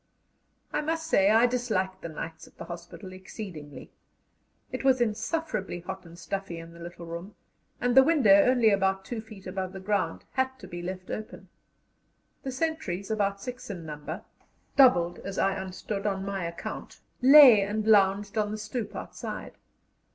I must say I disliked the nights at the hospital exceedingly. It was insufferably hot and stuffy in the little room, and the window, only about 2 feet above the ground, had to be left open. The sentries, about six in number doubled, as I understood, on my account lay and lounged on the stoep outside.